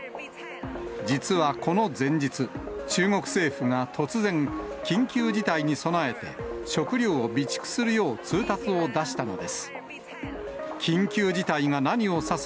実はこの前日、中国政府が突然、緊急事態に備えて、食料を備蓄するよう通達を出したのです。